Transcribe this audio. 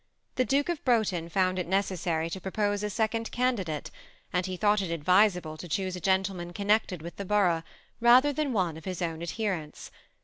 The Duke of Broughton found it necessary to propose a second candidate, and he thought it advisable to choose a gentleman connected with the borough, rather than one of his own adherents.